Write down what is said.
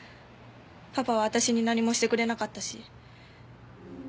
パパは私に何もしてくれなかったし。